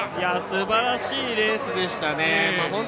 すばらしいレースでしたね。